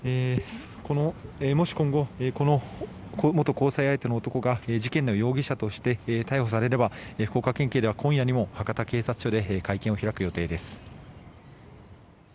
もし今後、元交際相手の男が事件の容疑者として逮捕されれば福岡県警では、今夜にも博多警察署で会見を開く予定です。